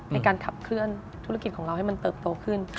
ในการขับเคลื่อนธุรกิจของเราให้มันเติบโตขึ้น